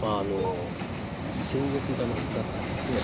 性欲がなくなったりですね